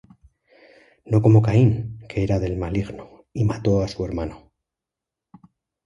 No como Caín, que era del maligno, y mató á su hermano.